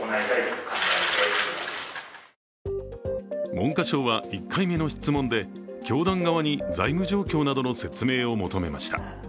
文科省は１回目の質問で教団側に財務状況などの説明を求めました。